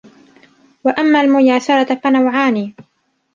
وَأَمَّا الْمُيَاسَرَةِ فَنَوْعَانِ